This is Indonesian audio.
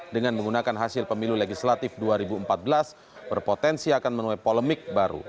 dengan menggunakan hasil pemilu legislatif dua ribu empat belas berpotensi akan menuai polemik baru